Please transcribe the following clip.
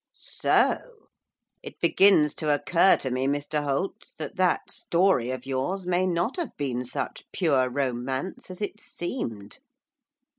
'So! It begins to occur to me, Mr Holt, that that story of yours may not have been such pure romance as it seemed.